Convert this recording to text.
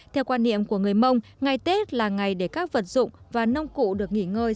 theo quan niệm của người mông ngày tết là ngày để các vật dụng và nông cụ được nghỉ ngơi